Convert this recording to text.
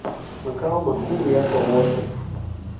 Makao makuu yako Wote.